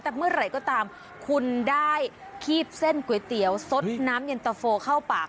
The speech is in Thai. แต่เมื่อไหร่ก็ตามคุณได้คีบเส้นก๋วยเตี๋ยวสดน้ำเย็นตะโฟเข้าปาก